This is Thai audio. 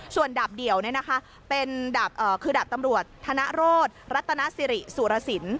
ส่วนดาบเดี่ยวคือดาบตำรวจธนโรธรัตนสิริสุรสิน